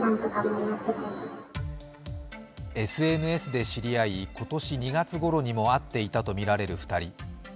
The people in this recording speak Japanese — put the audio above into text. ＳＮＳで知り合い今年２月ごろにも会っていたとみられる２人。